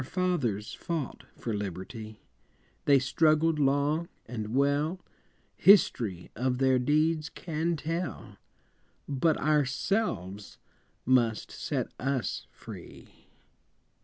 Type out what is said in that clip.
Our fathers fought for liberty, They struggled long and well, History of their deeds can tell But ourselves must set us free.